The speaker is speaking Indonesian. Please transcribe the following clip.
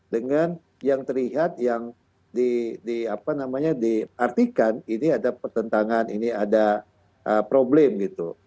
dengan yang terlihat yang diartikan ini ada pertentangan ini ada problem gitu